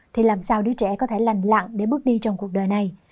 thì làm sao đứa trẻ có thể lành lặng để bước đi trong cuộc đời này